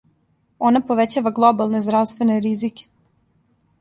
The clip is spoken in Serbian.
Она повећава глобалне здравствене ризике.